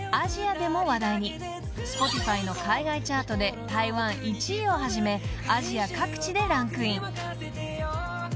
［Ｓｐｏｔｉｆｙの海外チャートで台湾１位をはじめアジア各地でランクイン］